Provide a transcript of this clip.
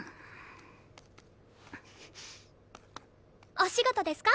お仕事ですか？